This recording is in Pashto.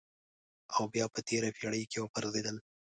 او بیا په تېره پېړۍ کې وپرځېدل.